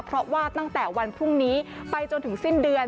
เพราะว่าตั้งแต่วันพรุ่งนี้ไปจนถึงสิ้นเดือน